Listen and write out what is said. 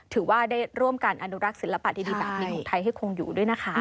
ถือว่าได้ร่วมการอนุรักษ์ศิลปะดีแบบนี้ของไทยให้คงอยู่ด้วยนะคะ